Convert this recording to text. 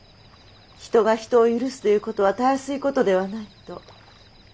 人が人を許すという事はたやすい事でないと。